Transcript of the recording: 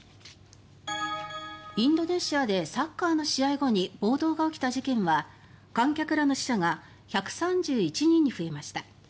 インドネシアでサッカーの試合後に暴動が起きた事件は観客らの死者が１３１人に増えました。